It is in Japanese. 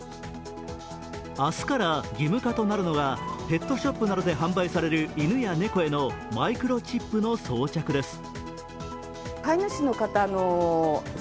明日から義務化となるのがペットショップなどで販売される犬や猫へのマイクロチップの装着です。